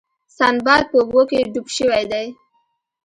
سنباد په اوبو کې ډوب شوی دی.